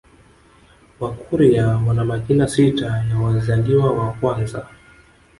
Wakurya wana majina sita ya wazaliwa wa kwanza